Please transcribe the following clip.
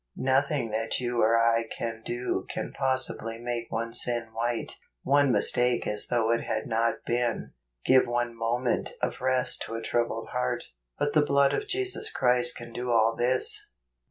23. Nothing that you or I can do can possibly make one sin white, one mistake as though it had not been, give one moment of rest to a troubled heart. But the blood of Jesus Christ can do all this.